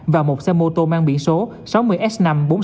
và một xe mô tô mang biển số sáu mươi s năm mươi bốn nghìn sáu trăm một mươi ba